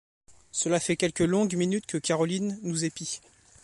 Cela fait quelques longues minutes que Carolyn nous épie.